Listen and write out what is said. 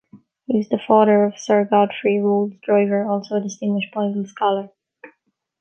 He was the father of Sir Godfrey Rolles Driver, also a distinguished Bible scholar.